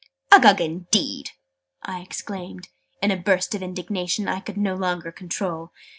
"Uggug, indeed!" I exclaimed, in a burst of indignation I could no longer control.